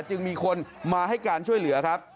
จึงมีคนมาให้การช่วยเหลือครับ